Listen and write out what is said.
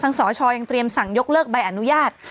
สชยังเตรียมสั่งยกเลิกใบอนุญาต